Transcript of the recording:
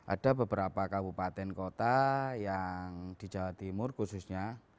ada beberapa kabupaten kota yang di jawa timur khususnya